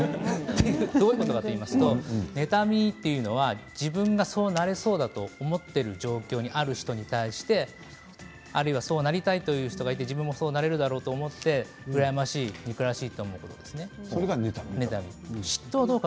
どういうことかといいますと妬みというのは自分がそうなれそうだと思っている状況にある人に対してあるいは、そうなりたいという人がいて自分もそうなれると思って羨ましいという気持ちそれが妬みです。